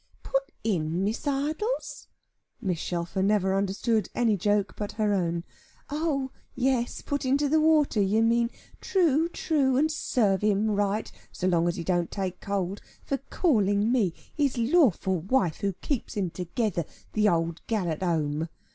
"Put in, Miss Idols?" Mrs. Shelfer never understood any joke but her own "oh yes, put into the water you mean. True, true, and serve him right (so long as he don't take cold) for calling me, his lawful wife who keeps him together, 'the old gal at home!